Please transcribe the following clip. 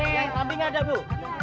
yang sampai ada bu